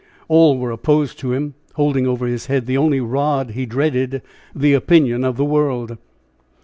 All were opposed to him, holding over his head the only rod he dreaded, the opinion of the world.